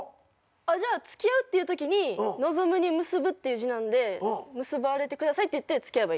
じゃあ付き合うっていうときに望むに結ぶっていう字なんで結ばれてくださいって言って付き合えばいい。